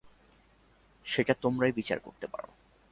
সেটা তোমরাই বিচার করতে পারো।